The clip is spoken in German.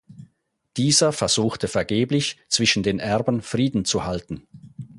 Dieser versuchte vergeblich, zwischen den Erben Frieden zu halten.